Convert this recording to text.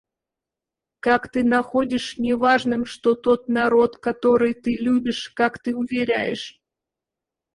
Как ты находишь неважным, что тот народ, который ты любишь, как ты уверяешь...